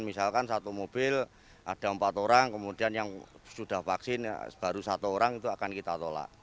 misalkan satu mobil ada empat orang kemudian yang sudah vaksin baru satu orang itu akan kita tolak